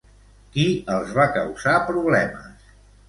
Qui els va causar problemes?